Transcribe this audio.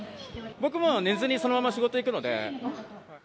僕、寝ずにそのまま仕事に行くので。